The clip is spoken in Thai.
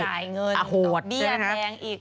ไม่มีจ่ายเงินแต่เป็นดรรยันแรงอีก